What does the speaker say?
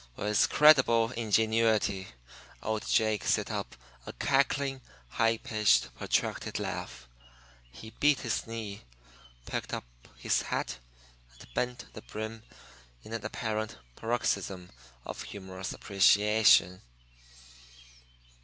With creditable ingenuity, old Jake set up a cackling, high pitched, protracted laugh. He beat his knee, picked up his hat and bent the brim in an apparent paroxysm of humorous appreciation.